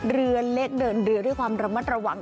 เรือเล็กเดินเรือด้วยความระมัดระวัง